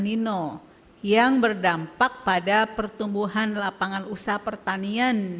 dan juga ada fenomena el nino yang berdampak pada pertumbuhan lapangan usaha pertanian